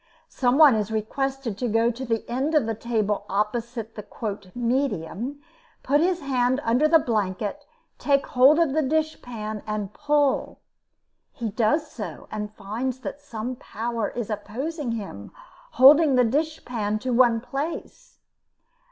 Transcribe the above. Some one is requested to go to the end of the table opposite the "medium," put his hand under the blanket, take hold of the dishpan, and pull. He does so, and finds that some power is opposing him, holding the dishpan to one place.